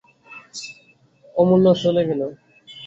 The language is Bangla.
অমূল্য চলে গেল।